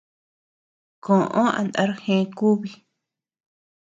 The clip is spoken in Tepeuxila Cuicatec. Koʼö a ndar gea kubi.